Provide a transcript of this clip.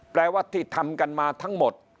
แปลว่าที่ทำกันมาทั้งหมด